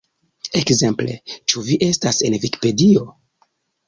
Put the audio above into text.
Ekzemple "Ĉu vi estas en Vikipedio?